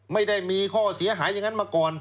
ไม่ได้มีข้อเสียหายอย่างนั้นมาก่อน